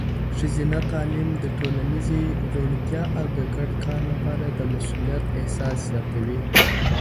ښځینه تعلیم د ټولنیزې روڼتیا او د ګډ کار لپاره د مسؤلیت احساس زیاتوي.